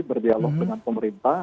berdialog dengan pemerintah